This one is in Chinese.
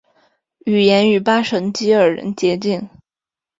语言与巴什基尔人接近。